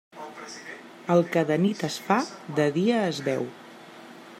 El que de nit es fa, de dia es veu.